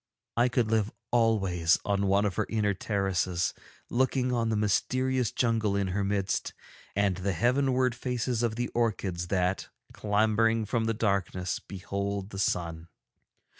I could live always on one of her inner terraces looking on the mysterious jungle in her midst and the heavenward faces of the orchids that, clambering from the darkness, behold the sun.